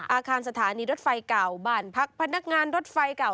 อาคารสถานีรถไฟเก่าบ้านพักพนักงานรถไฟเก่า